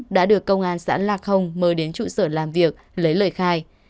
đã được công an xã lạc hồng mời đến trụ sở làm việc lấy lời khai